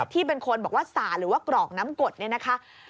ที่เป็นคนบอกว่าสาหรือว่ากรอกน้ำกดเนี่ยนะคะ